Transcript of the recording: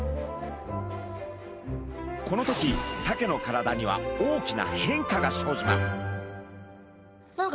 この時サケの体には大きな変化が生じます。